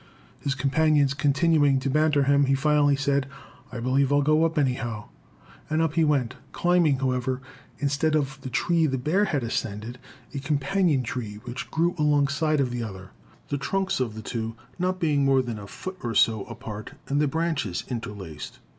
His companions continuing to banter him, he finally said, "I believe I'll go up anyhow," and up he went, climbing, however instead of the tree the bear had ascended a companion tree which grew alongside of the other, the trunks of the two not being more than a foot or so apart and the branches interlaced.